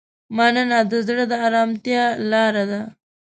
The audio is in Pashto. مننه د زړه د ارامتیا لاره ده.